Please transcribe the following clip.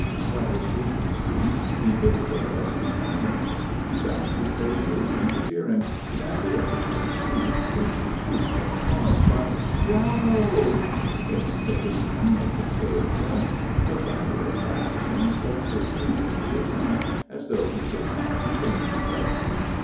While his patron speaks, he bids the rest be silent. He sounds his praises in his hearing and after the patron's speech gives the cue for applause by "Bravo!" If the patron makes a stale jest, the flatterer laughs and stuffs his sleeve into his mouth as though he could not contain himself.